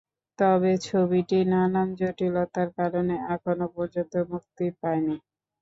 তবে ছবিটি নানান জটিলতার কারণে এখনও পর্যন্ত মুক্তি পায়নি।